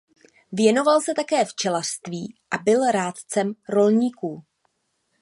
Věnoval se také včelařství a byl rádcem rolníků.